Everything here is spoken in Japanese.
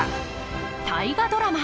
大河ドラマ